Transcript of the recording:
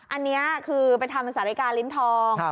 อันนี้คือไปทำสาริกาลิ้นทอง